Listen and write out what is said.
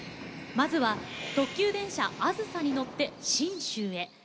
まずは、特急電車あずさに乗って信州へ。